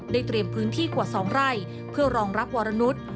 เตรียมพื้นที่กว่า๒ไร่เพื่อรองรับวรนุษย์